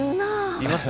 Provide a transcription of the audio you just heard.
言いました？